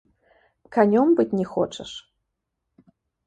Канём быць не хочаш?